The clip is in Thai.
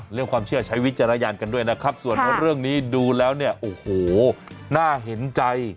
เรื่องความเชื่อใช้วิจารณญาณกันด้วยนะครับส่วนเรื่องนี้ดูแล้วเนี่ยโอ้โหน่าเห็นใจ